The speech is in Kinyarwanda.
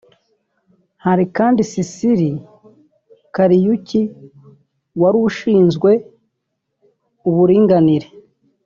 Hari kandi Sicily Kariuki wari ushinzwe uburinganire